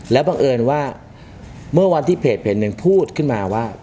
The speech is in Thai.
แล้วบังเอิญว่าเมื่อวันที่เพจหนึ่งพูดขึ้นมาว่า